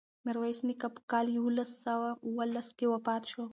میرویس نیکه په کال یوولس سوه اوولس کې وفات شو.